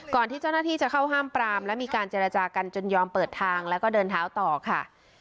ที่เจ้าหน้าที่จะเข้าห้ามปรามและมีการเจรจากันจนยอมเปิดทางแล้วก็เดินเท้าต่อค่ะ